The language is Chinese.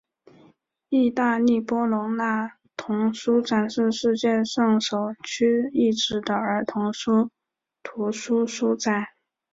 意大利波隆那童书展是世界上首屈一指的儿童图书书展。